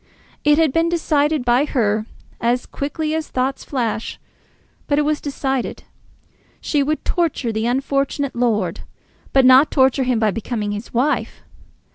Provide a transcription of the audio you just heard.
It had been decided by her as quickly as thoughts flash, but it was decided. She would torture the unfortunate lord, but not torture him by becoming his wife.